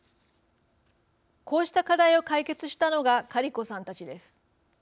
こうした課題を解決したのがカリコさんたちです。